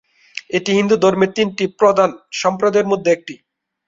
এটি হিন্দু ধর্মের তিনটি প্রধান সম্প্রদায়ের মধ্যে একটি।